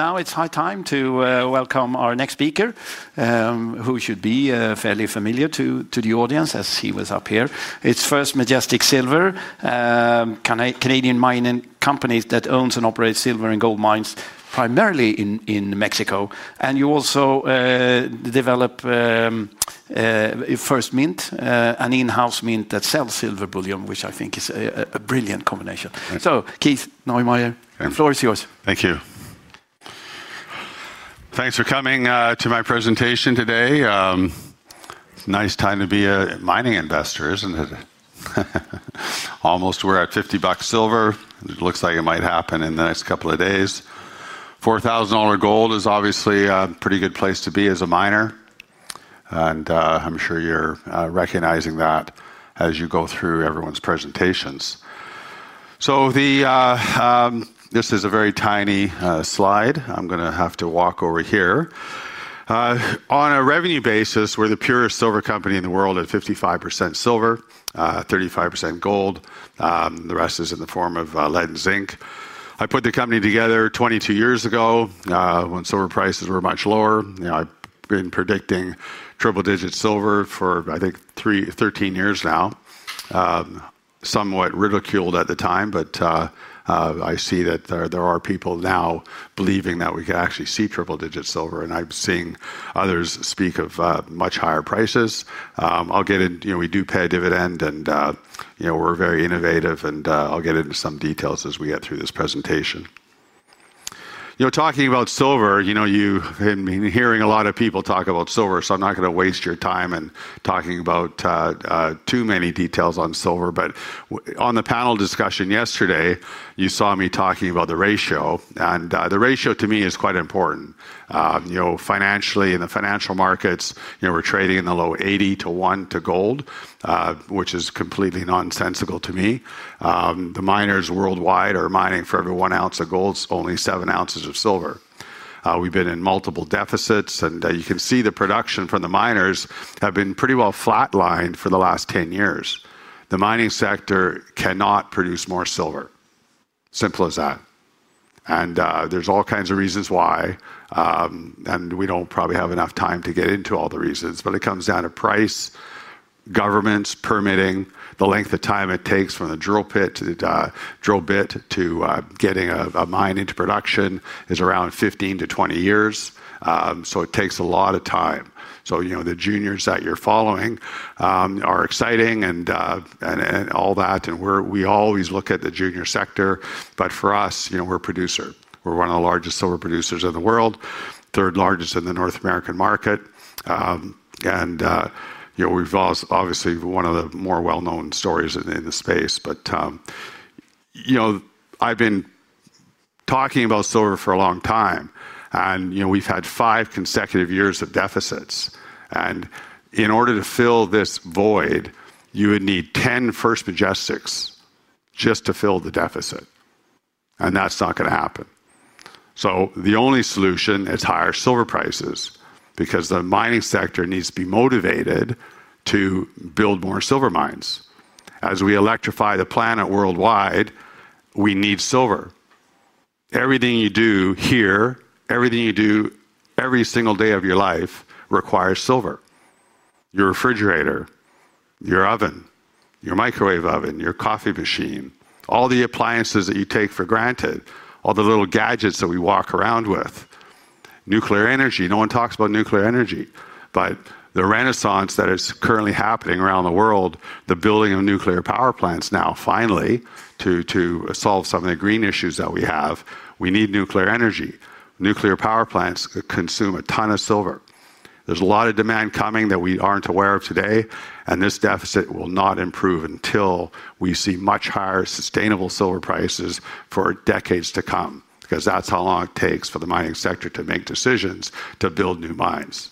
Now it's high time to welcome our next speaker, who should be fairly familiar to the audience as he was up here. It's First Majestic Silver, a Canadian mining company that owns and operates silver and gold mines primarily in Mexico. You also develop your First Mint, an in-house mint that sells silver bullion, which I think is a brilliant combination. Keith Neumeyer, the floor is yours. Thank you. Thanks for coming to my presentation today. It's a nice time to be a mining investor, isn't it? Almost we're at $50 silver. Looks like it might happen in the next couple of days. $4,000 gold is obviously a pretty good place to be as a miner. I'm sure you're recognizing that as you go through everyone's presentations. This is a very tiny slide. I'm going to have to walk over here. On a revenue basis, we're the purest silver company in the world at 55% silver, 35% gold. The rest is in the form of lead and zinc. I put the company together 22 years ago, when silver prices were much lower. You know, I've been predicting triple-digit silver for, I think, 13 years now. Somewhat ridiculed at the time, but I see that there are people now believing that we can actually see triple-digit silver, and I'm seeing others speak of much higher prices. I'll get in, you know, we do pay a dividend and, you know, we're very innovative, and I'll get into some details as we get through this presentation. You know, talking about silver, you know, you've been hearing a lot of people talk about silver, so I'm not going to waste your time in talking about too many details on silver. On the panel discussion yesterday, you saw me talking about the ratio, and the ratio to me is quite important. You know, financially, in the financial markets, you know, we're trading in the low 80 to 1 to gold, which is completely nonsensical to me. The miners worldwide are mining for every one ounce of gold, only seven ounces of silver. We've been in multiple deficits, and you can see the production from the miners has been pretty well flatlined for the last 10 years. The mining sector cannot produce more silver. Simple as that. There are all kinds of reasons why. We don't probably have enough time to get into all the reasons, but it comes down to price, governments, permitting, the length of time it takes from the drill bit to getting a mine into production is around 15-20 years. It takes a lot of time. The juniors that you're following are exciting and all that. We always look at the junior sector, but for us, we're a producer. We're one of the largest silver producers in the world, third largest in the North American market. We've obviously one of the more well-known stories in the space, but I've been talking about silver for a long time, and we've had five consecutive years of deficits. In order to fill this void, you would need 10 First Majestics just to fill the deficit. That's not going to happen. The only solution is higher silver prices because the mining sector needs to be motivated to build more silver mines. As we electrify the planet worldwide, we need silver. Everything you do here, everything you do every single day of your life requires silver. Your refrigerator, your oven, your microwave oven, your coffee machine, all the appliances that you take for granted, all the little gadgets that we walk around with. Nuclear energy, no one talks about nuclear energy, but the renaissance that is currently happening around the world, the building of nuclear power plants now finally to solve some of the green issues that we have, we need nuclear energy. Nuclear power plants consume a ton of silver. There's a lot of demand coming that we aren't aware of today, and this deficit will not improve until we see much higher sustainable silver prices for decades to come, because that's how long it takes for the mining sector to make decisions to build new mines.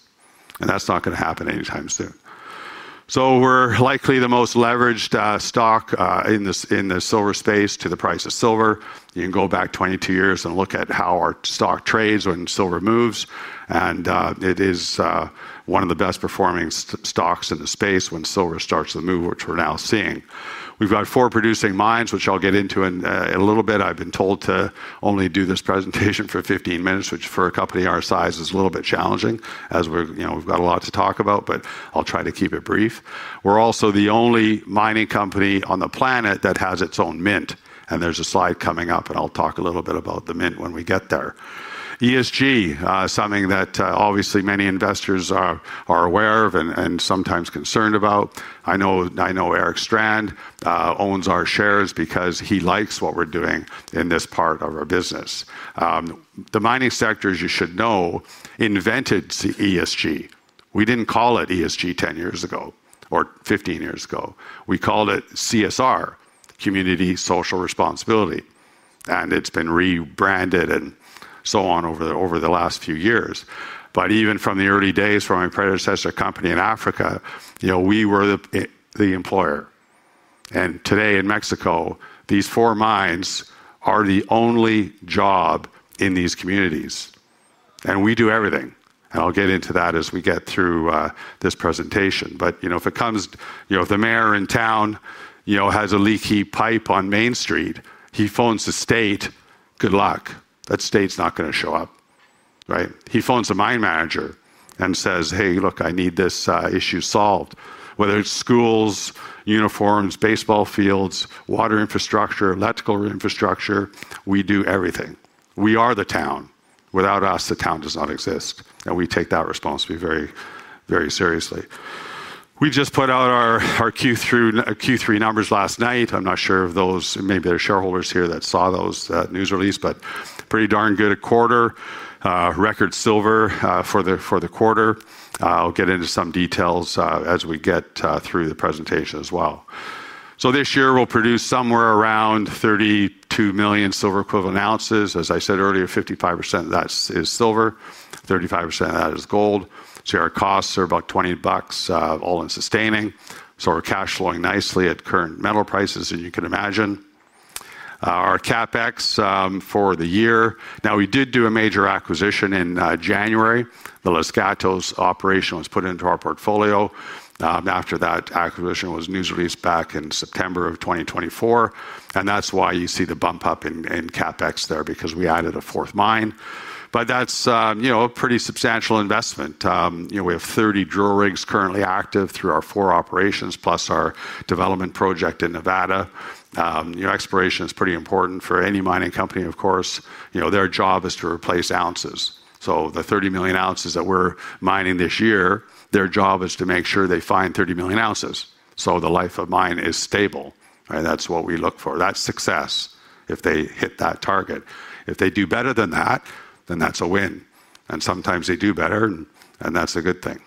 That's not going to happen anytime soon. We're likely the most leveraged stock in the silver space to the price of silver. You can go back 22 years and look at how our stock trades when silver moves, and it is one of the best performing stocks in the space when silver starts to move, which we're now seeing. We've got four producing mines, which I'll get into in a little bit. I've been told to only do this presentation for 15 minutes, which for a company our size is a little bit challenging as we've got a lot to talk about, but I'll try to keep it brief. We're also the only mining company on the planet that has its own mint, and there's a slide coming up, and I'll talk a little bit about the mint when we get there. ESG, something that obviously many investors are aware of and sometimes concerned about. I know Eric Strand owns our shares because he likes what we're doing in this part of our business. The mining sector, as you should know, invented ESG. We didn't call it ESG 10 years ago or 15 years ago. We called it CSR, Community Social Responsibility. It's been rebranded and so on over the last few years. Even from the early days from my predecessor company in Africa, you know, we were the employer. Today in Mexico, these four mines are the only job in these communities. We do everything. I'll get into that as we get through this presentation. If the mayor in town has a leaky pipe on Main Street, he phones the state, good luck. That state's not going to show up, right? He phones the mine manager and says, "Hey, look, I need this issue solved." Whether it's schools, uniforms, baseball fields, water infrastructure, electrical infrastructure, we do everything. We are the town. Without us, the town does not exist. We take that responsibility very, very seriously. We just put out our Q3 numbers last night. I'm not sure if there are shareholders here that saw those news releases, but pretty darn good quarter, record silver for the quarter. I'll get into some details as we get through the presentation as well. This year we'll produce somewhere around 32 million silver-equivalent ounces. As I said earlier, 55% of that is silver, 35% of that is gold. Share costs are about $20, all-in sustaining. We're cash flowing nicely at current metal prices, as you can imagine. Our CapEx for the year, now we did do a major acquisition in January. The Los Gatos operation was put into our portfolio after that acquisition was news released back in September of 2024. That's why you see the bump up in CapEx there because we added a fourth mine. That's a pretty substantial investment. We have 30 drill rigs currently active through our four operations, plus our development project in Nevada. Exploration is pretty important for any mining company, of course. Their job is to replace ounces. The 30 million ounces that we're mining this year, their job is to make sure they find 30 million ounces so the life of mine is stable. That's what we look for. That's success if they hit that target. If they do better than that, then that's a win. Sometimes they do better, and that's a good thing.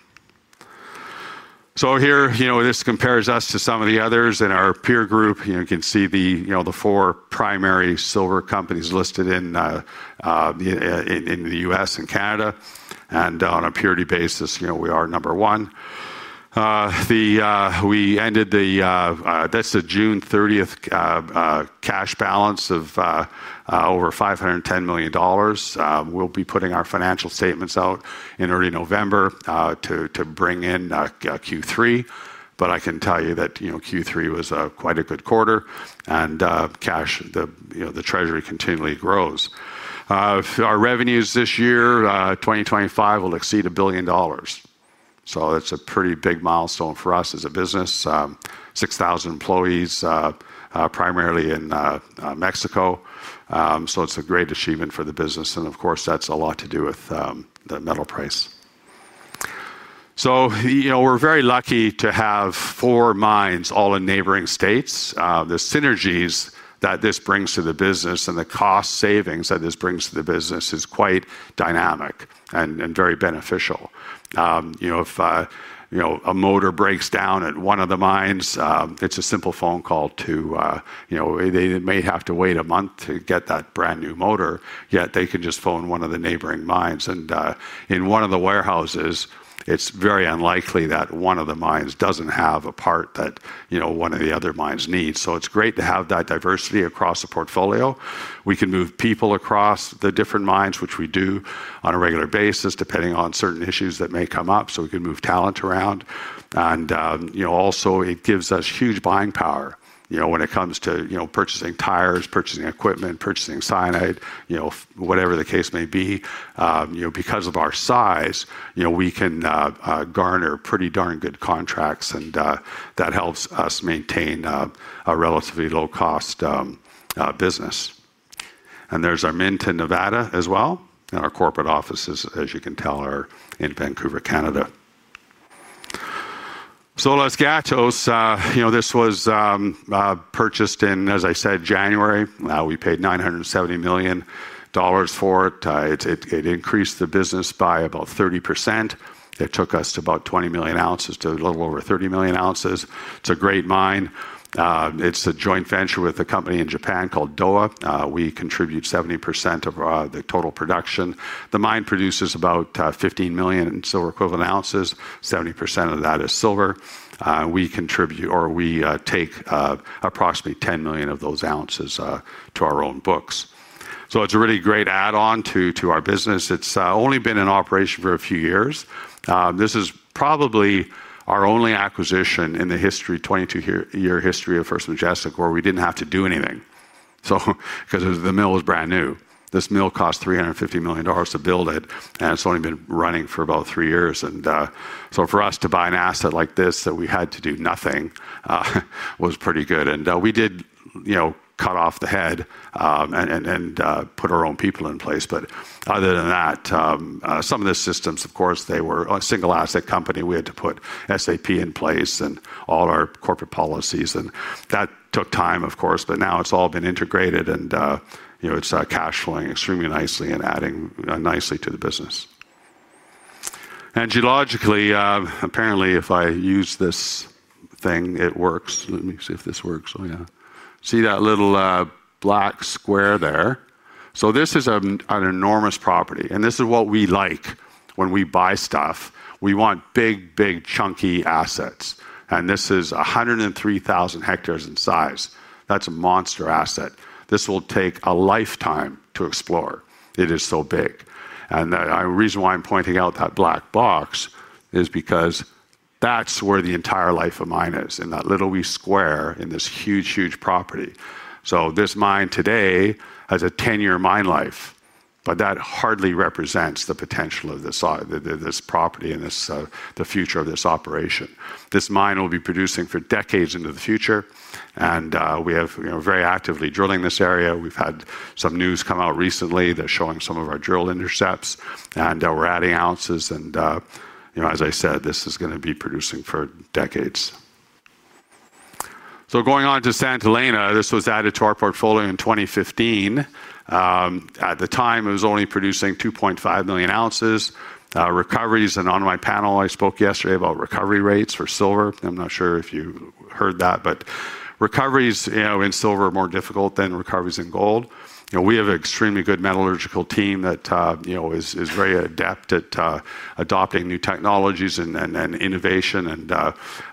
Here, this compares us to some of the others in our peer group. You can see the four primary silver companies listed in the U.S. and Canada. On a purity basis, we are number one. We ended the June 30th cash balance of over $510 million. We'll be putting our financial statements out in early November to bring in Q3. I can tell you that Q3 was quite a good quarter, and cash, the treasury continually grows. Our revenues this year, 2025, will exceed $1 billion. That's a pretty big milestone for us as a business. 6,000 employees, primarily in Mexico, so it's a great achievement for the business. Of course, that's a lot to do with the metal price. We're very lucky to have four mines all in neighboring states. The synergies that this brings to the business and the cost savings that this brings to the business is quite dynamic and very beneficial. If a motor breaks down at one of the mines, it's a simple phone call. They may have to wait a month to get that brand new motor, yet they can just phone one of the neighboring mines, and in one of the warehouses, it's very unlikely that one of the mines doesn't have a part that one of the other mines needs. It's great to have that diversity across the portfolio. We can move people across the different mines, which we do on a regular basis depending on certain issues that may come up. We can move talent around. It also gives us huge buying power when it comes to purchasing tires, purchasing equipment, purchasing cyanide, whatever the case may be. Because of our size, we can garner pretty darn good contracts, and that helps us maintain a relatively low-cost business. There's our mint in Nevada as well, and our corporate offices, as you can tell, are in Vancouver, Canada. Los Gatos, this was purchased in, as I said, January. We paid $970 million for it. It increased the business by about 30%. It took us from about 20 million ounces to a little over 30 million ounces. It's a great mine. It's a joint venture with a company in Japan called Dowa. We contribute 70% of the total production. The mine produces about 15 million silver-equivalent ounces. 70% of that is silver. We contribute, or we take, approximately 10 million of those ounces to our own books. It's a really great add-on to our business. It's only been in operation for a few years. This is probably our only acquisition in the 22-year history of First Majestic where we didn't have to do anything because the mill was brand new. This mill cost $350 million to build, and it's only been running for about three years. For us to buy an asset like this that we had to do nothing, was pretty good. We did cut off the head and put our own people in place. Other than that, some of the systems, of course, they were a single asset company. We had to put SAP in place and all of our corporate policies, and that took time, of course, but now it's all been integrated, and it's cash flowing extremely nicely and adding nicely to the business. Geologically, apparently, if I use this thing, it works. Let me see if this works. Oh, yeah. See that little black square there? This is an enormous property, and this is what we like when we buy stuff. We want big, big, chunky assets. This is 103,000 hectares in size. That's a monster asset. This will take a lifetime to explore. It is so big. The reason why I'm pointing out that black box is because that's where the entire life of mine is, in that little square in this huge, huge property. This mine today has a 10-year mine life, but that hardly represents the potential of this property and the future of this operation. This mine will be producing for decades into the future, and we are very actively drilling this area. We've had some news come out recently that's showing some of our drill intercepts, and we're adding ounces. As I said, this is going to be producing for decades. Going on to Santa Elena, this was added to our portfolio in 2015. At the time, it was only producing 2.5 million ounces. Recoveries, and on my panel, I spoke yesterday about recovery rates for silver. I'm not sure if you heard that, but recoveries in silver are more difficult than recoveries in gold. We have an extremely good metallurgical team that is very adept at adopting new technologies and innovation.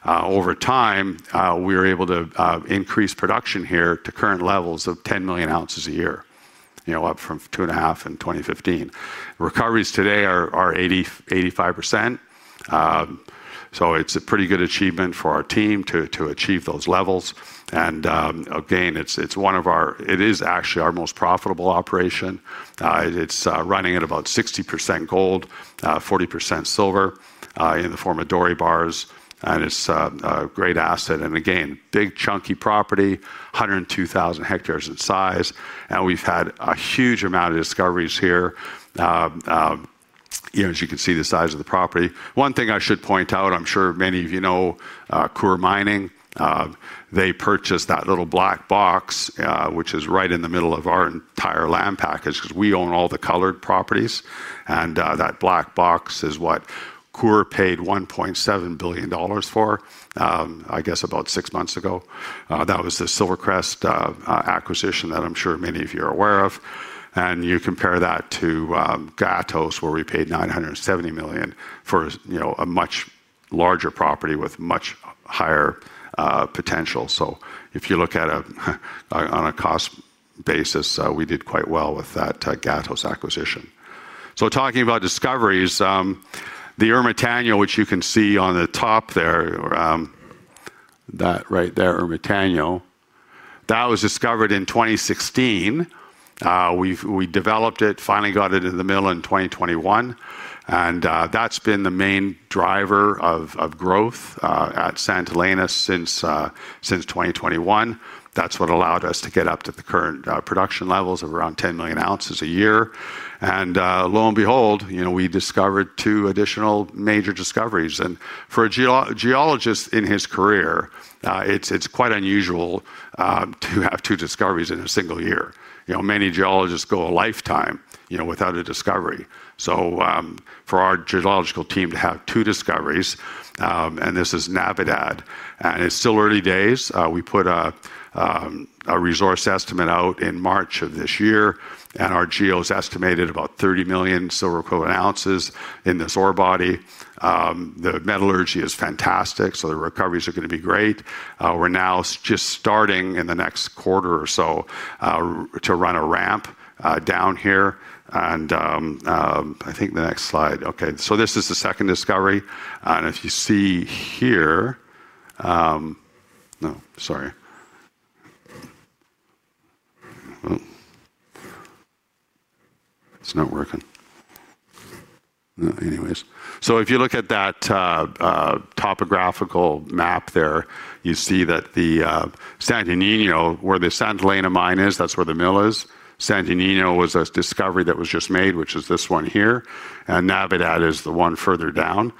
Over time, we were able to increase production here to current levels of 10 million ounces a year, up from two and a half in 2015. Recoveries today are 80%-85%, so it's a pretty good achievement for our team to achieve those levels. Again, it's one of our, it is actually our most profitable operation. It's running at about 60% gold, 40% silver, in the form of Dory bars. It's a great asset. Again, big chunky property, 102,000 hectares in size. We've had a huge amount of discoveries here. You know, as you can see the size of the property. One thing I should point out, I'm sure many of you know, Coeur Mining, they purchased that little black box, which is right in the middle of our entire land package because we own all the colored properties. That black box is what Coeur paid $1.7 billion for, I guess about six months ago. That was the SilverCrest acquisition that I'm sure many of you are aware of. You compare that to Los Gatos, where we paid $970 million for a much larger property with much higher potential. If you look at it on a cost basis, we did quite well with that Los Gatos acquisition. Talking about discoveries, the Ermitanio, which you can see on the top there, that right there, Ermitanio, that was discovered in 2016. We developed it, finally got it in the middle in 2021, and that's been the main driver of growth at Santa Elena since 2021. That's what allowed us to get up to the current production levels of around 10 million ounces a year. Lo and behold, we discovered two additional major discoveries. For a geologist in his career, it's quite unusual to have two discoveries in a single year. Many geologists go a lifetime without a discovery. For our geological team to have two discoveries, and this is Navidad. It's still early days. We put a resource estimate out in March of this year, and our geo has estimated about 30 million silver-equivalent ounces in the ore body. The metallurgy is fantastic, so the recoveries are going to be great. We're now just starting in the next quarter or so to run a ramp down here. I think the next slide. Okay, this is the second discovery. If you see here—no, sorry. Oh, it's not working. Anyways, if you look at that topographical map there, you see that the Santo Niño, where the Santa Elena mine is, that's where the mill is. Santo Niño was a discovery that was just made, which is this one here. Navidad is the one further down.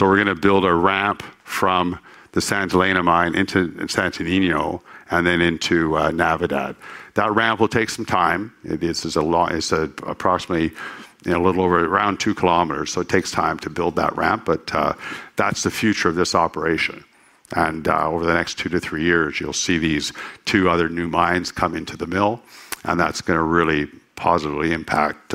We're going to build a ramp from the Santa Elena mine into Santo Niño and then into Navidad. That ramp will take some time. It is a lot, it's approximately a little over around two kilometers. It takes time to build that ramp, but that's the future of this operation. Over the next two to three years, you'll see these two other new mines come into the mill, and that's going to really positively impact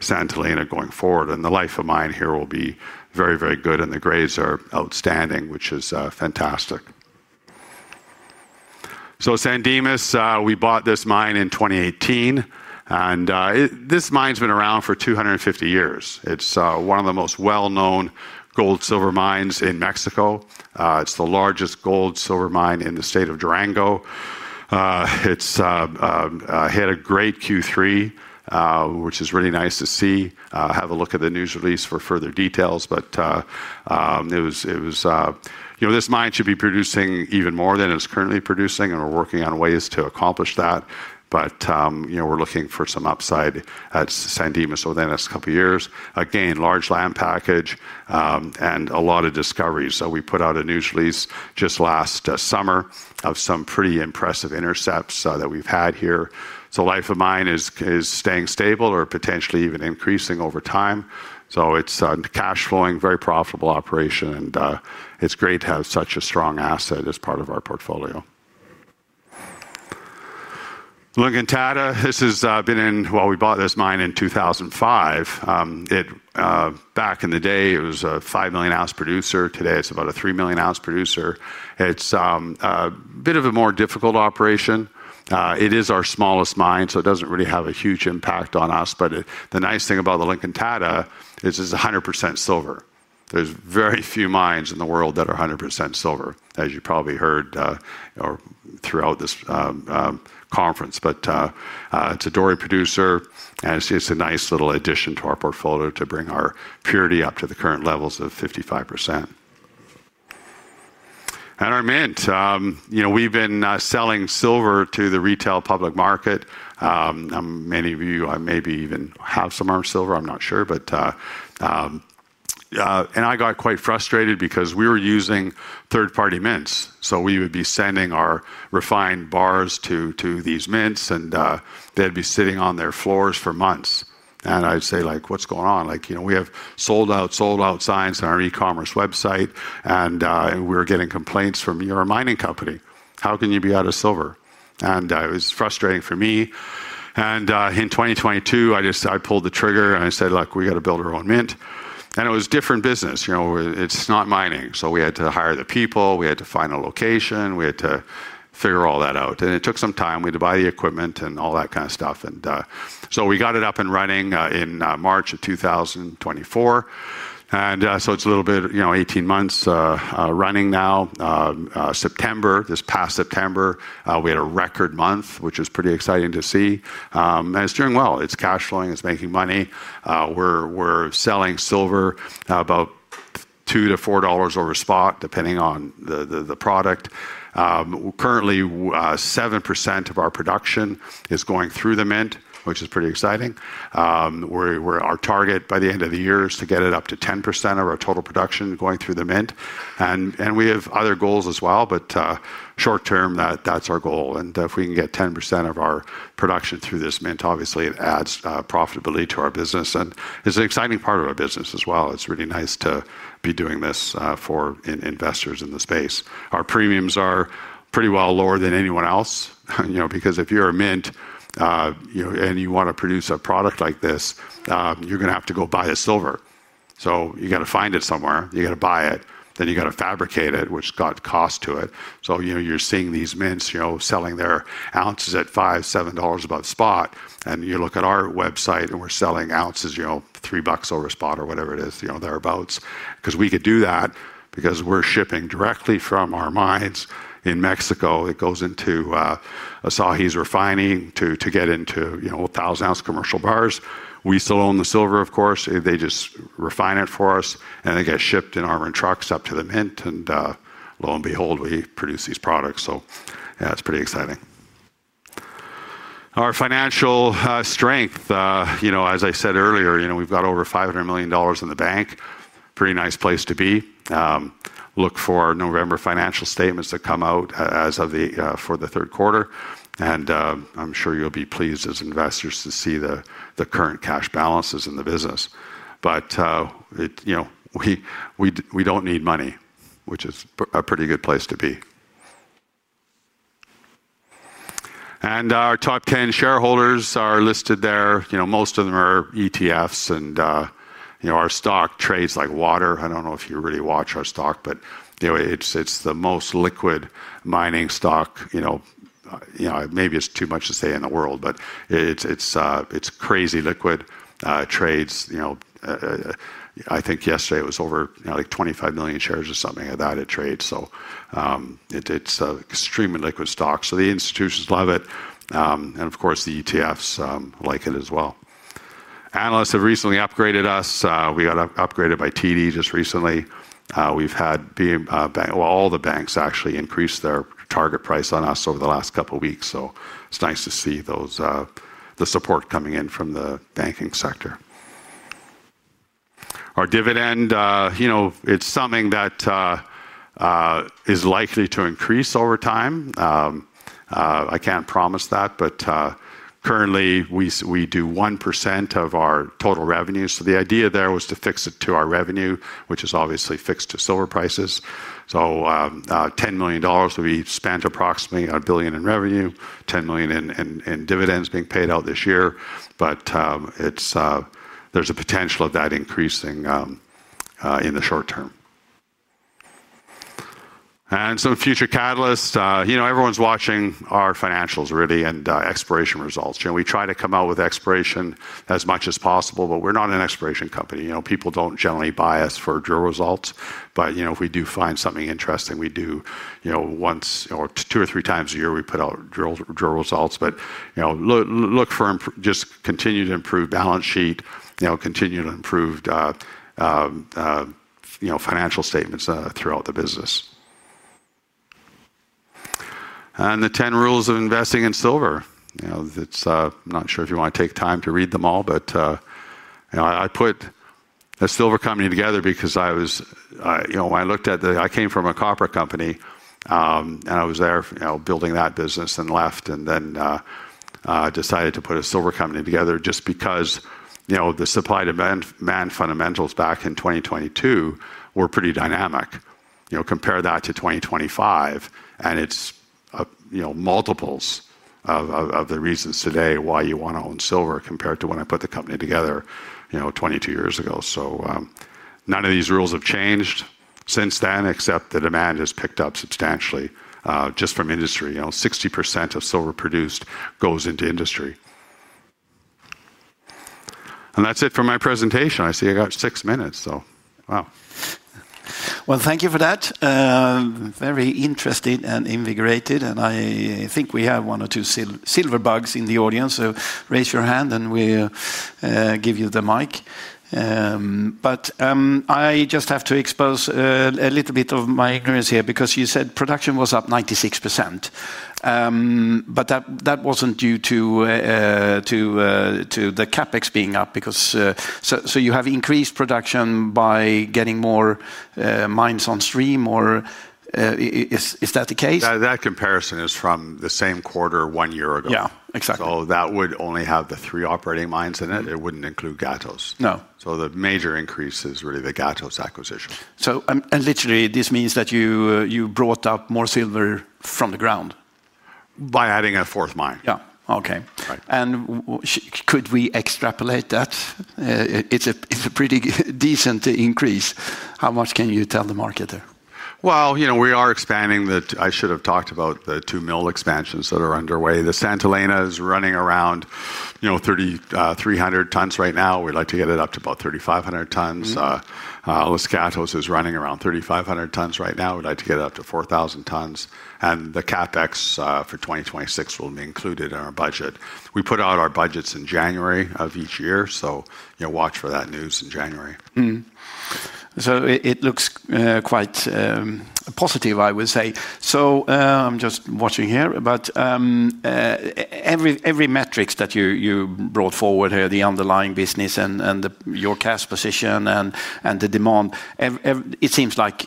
Santa Elena going forward. The life of mine here will be very, very good, and the grades are outstanding, which is fantastic. San Dimas, we bought this mine in 2018. This mine's been around for 250 years. It's one of the most well-known gold-silver mines in Mexico. It's the largest gold-silver mine in the state of Durango. It's had a great Q3, which is really nice to see. Have a look at the news release for further details. This mine should be producing even more than it's currently producing, and we're working on ways to accomplish that. We're looking for some upside at San Dimas over the next couple of years. Large land package, and a lot of discoveries. We put out a news release just last summer of some pretty impressive intercepts that we've had here. Life of mine is staying stable or potentially even increasing over time. It's a cash-flowing, very profitable operation, and it's great to have such a strong asset as part of our portfolio. La Encantada, we bought this mine in 2005. Back in the day, it was a 5 million ounce producer. Today it's about a 3 million ounce producer. It's a bit of a more difficult operation. It is our smallest mine, so it doesn't really have a huge impact on us. The nice thing about La Encantada is it's 100% silver. There are very few mines in the world that are 100% silver, as you probably heard throughout this conference. It's a doré producer, and it's just a nice little addition to our portfolio to bring our purity up to the current levels of 55%. Our mint, we've been selling silver to the retail public market. Many of you maybe even have some of our silver, I'm not sure, but I got quite frustrated because we were using third-party mints. We would be sending our refined bars to these mints, and they'd be sitting on their floors for months. I'd say, like, what's going on? We have sold-out signs on our e-commerce website, and we're getting complaints from your mining company. How can you be out of silver? It was frustrating for me. In 2022, I just pulled the trigger and I said, look, we got to build our own mint. It was a different business, it's not mining. We had to hire the people, we had to find a location, we had to figure all that out. It took some time, we had to buy the equipment and all that kind of stuff. We got it up and running in March of 2024. It's a little bit, you know, 18 months running now. September, this past September, we had a record month, which was pretty exciting to see. It's doing well. It's cash flowing, it's making money. We're selling silver about $2-$4 over spot, depending on the product. Currently, 7% of our production is going through the mint, which is pretty exciting. Our target by the end of the year is to get it up to 10% of our total production going through the mint. We have other goals as well, but short term, that's our goal. If we can get 10% of our production through this mint, obviously it adds profitability to our business. It's an exciting part of our business as well. It's really nice to be doing this for investors in the space. Our premiums are pretty well lower than anyone else, you know, because if you're a mint, you know, and you want to produce a product like this, you're going to have to go buy silver. You got to find it somewhere, you got to buy it, then you got to fabricate it, which has cost to it. You're seeing these mints selling their ounces at $5, $7 above spot. You look at our website and we're selling ounces, you know, three bucks over spot or whatever it is, you know, thereabouts. We could do that because we're shipping directly from our mines in Mexico. It goes into Asahi's refining to get into 1,000 ounce commercial bars. We still own the silver, of course. They just refine it for us and it gets shipped in armored trucks up to the mint. Lo and behold, we produce these products. It's pretty exciting. Our financial strength, you know, as I said earlier, we've got over $500 million in the bank. Pretty nice place to be. Look for November financial statements that come out for the third quarter. I'm sure you'll be pleased as investors to see the current cash balances in the business. We don't need money, which is a pretty good place to be. Our top 10 shareholders are listed there. Most of them are ETFs and our stock trades like water. I don't know if you really watch our stock, but you know, it's the most liquid mining stock, you know, maybe it's too much to say in the world, but it's crazy liquid, trades, you know, I think yesterday it was over, you know, like 25 million shares or something of that it trades. It's an extremely liquid stock. The institutions love it, and of course the ETFs like it as well. Analysts have recently upgraded us. We got upgraded by TD just recently. All the banks actually increased their target price on us over the last couple of weeks. It's nice to see the support coming in from the banking sector. Our dividend, you know, it's something that is likely to increase over time. I can't promise that, but currently we do 1% of our total revenues. The idea there was to fix it to our revenue, which is obviously fixed to silver prices. $10 million will be spent, approximately a billion in revenue, $10 million in dividends being paid out this year. There's a potential of that increasing in the short term. Future catalysts, you know, everyone's watching our financials really and exploration results. We try to come out with exploration as much as possible, but we're not an exploration company. People don't generally buy us for drill results. If we do find something interesting, we do, you know, once or two or three times a year, we put out drill results. Look for just continued improved balance sheet, continued improved financial statements throughout the business. The 10 rules of investing in silver, you know, it's not sure if you want to take time to read them all, but, you know, I put a silver company together because I was, you know, when I looked at the, I came from a copper company, and I was there, you know, building that business and left. Then, decided to put a silver company together just because, you know, the supply demand fundamentals back in 2022 were pretty dynamic. Compare that to 2025, and it's multiples of the reasons today why you want to own silver compared to when I put the company together, you know, 22 years ago. None of these rules have changed since then, except the demand has picked up substantially, just from industry. 60% of silver produced goes into industry. That's it for my presentation. I see I got six minutes, wow. Thank you for that. Very interesting and invigorating. I think we have one or two silver bugs in the audience. Raise your hand and we'll give you the mic. I just have to expose a little bit of my ignorance here because you said production was up 96%. That wasn't due to the CapEx being up because you have increased production by getting more mines on stream, or is that the case? That comparison is from the same quarter one year ago. Yeah, exactly. That would only have the three operating mines in it. It wouldn't include Los Gatos. No. The major increase is really the Los Gatos acquisition. This means that you brought up more silver from the ground. By adding a fourth mine. Okay. Could we extrapolate that? It's a pretty decent increase. How much can you tell the market there? We are expanding that. I should have talked about the two mill expansions that are underway. The Santa Elena is running around 3,300 tons right now. We'd like to get it up to about 3,500 tons. Los Gatos is running around 3,500 tons right now. We'd like to get it up to 4,000 tons. The CapEx for 2026 will be included in our budget. We put out our budgets in January of each year. Watch for that news in January. It looks quite positive, I would say. I'm just watching here, but every metric that you brought forward here, the underlying business and your cash position and the demand, it seems like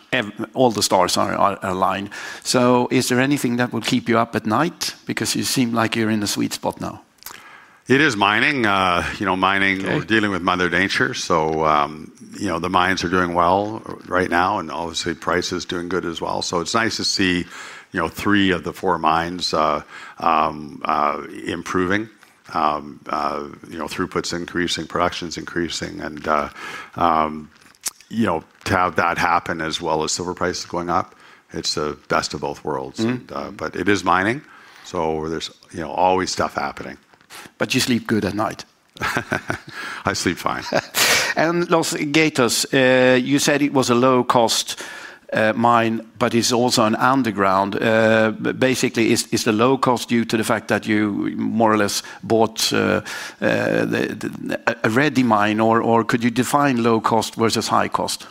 all the stars are aligned. Is there anything that will keep you up at night? You seem like you're in the sweet spot now. It is mining. You know, mining, dealing with Mother Nature. The mines are doing well right now and obviously prices are doing good as well. It's nice to see, you know, three of the four mines improving. Throughput's increasing, production's increasing, and to have that happen as well as silver prices going up, it's the best of both worlds. It is mining, so there's always stuff happening. You sleep good at night. I sleep fine. Los Gatos, you said it was a low-cost mine, but it's also an underground. Is the low cost due to the fact that you more or less bought a ready mine, or could you define low cost versus high cost?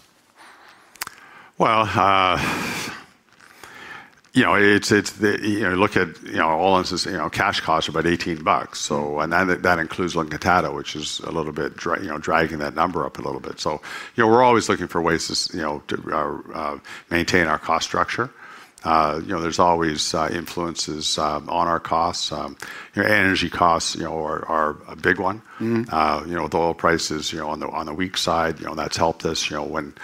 It's, you know, look at, all of us, cash costs are about $18. That includes La Encantada, which is dragging that number up a little bit. We're always looking for ways to maintain our cost structure. There's always influences on our costs. Energy costs are a big one. With oil prices on the weak side, that's helped us when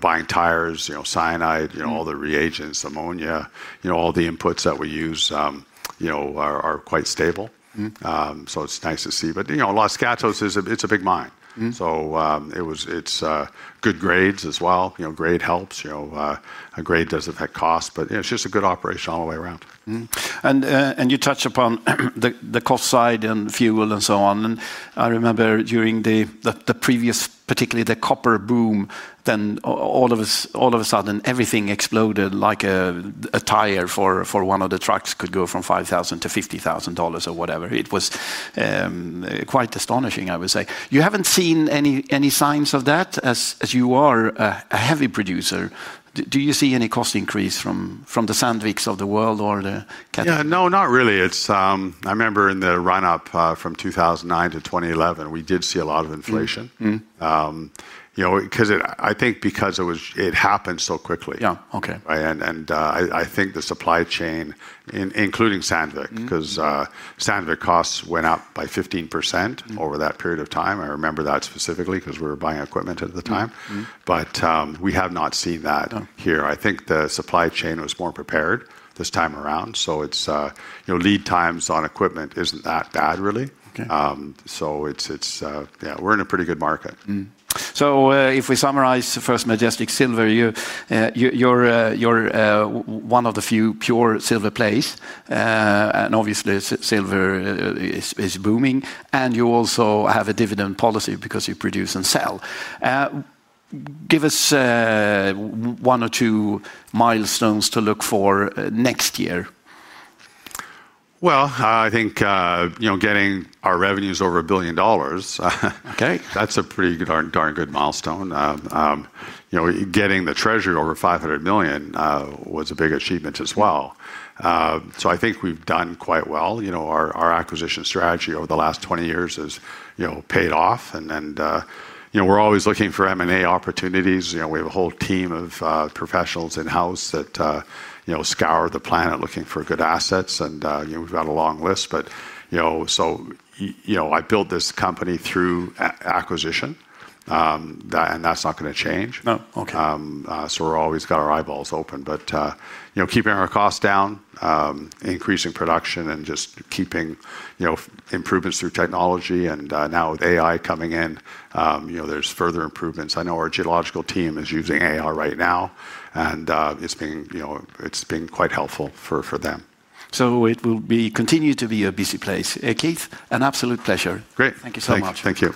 buying tires, cyanide, all the reagents, ammonia, all the inputs that we use are quite stable. It's nice to see. Los Gatos is a big mine. It has good grades as well. Grade helps. Grade doesn't affect cost, but it's just a good operation all the way around. You touch upon the cost side and fuel and so on. I remember during the previous, particularly the copper boom, all of a sudden, everything exploded like a tire for one of the trucks could go from $5,000-$50,000 or whatever. It was quite astonishing, I would say. You haven't seen any signs of that as you are a heavy producer. Do you see any cost increase from the sandwiches of the world or the cat? Yeah, no, not really. I remember in the run-up from 2009-2011, we did see a lot of inflation, you know, because I think it happened so quickly. Yeah, okay. I think the supply chain, including Sandvik, because Sandvik costs went up by 15% over that period of time. I remember that specifically because we were buying equipment at the time. We have not seen that here. I think the supply chain was more prepared this time around. It's, you know, lead times on equipment isn't that bad, really. It's, yeah, we're in a pretty good market. If we summarize First Majestic Silver, you're one of the few pure silver plays, and obviously silver is booming. You also have a dividend policy because you produce and sell. Give us one or two milestones to look for next year. I think, you know, getting our revenues over $1 billion, that's a pretty darn good milestone. You know, getting the treasury over $500 million was a big achievement as well. I think we've done quite well. You know, our acquisition strategy over the last 20 years has paid off. We're always looking for M&A opportunities. You know, we have a whole team of professionals in-house that scour the planet looking for good assets. We've got a long list, but, you know, I built this company through acquisition. That's not going to change. No, okay. We're always got our eyeballs open, but, you know, keeping our costs down, increasing production, and just keeping, you know, improvements through technology. Now with AI coming in, you know, there's further improvements. I know our geological team is using AR right now, and it's been quite helpful for them. It will continue to be a busy place. Keith, an absolute pleasure. Great. Thank you so much. Thanks, Keith.